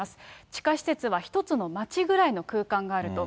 地下施設は一つの町ぐらいの空間があると。